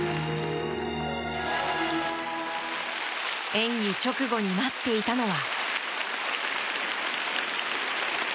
演技直後に待っていたのは。